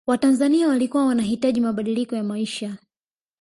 watanzania walikuwa wanahitaji mabadiliko ya maisha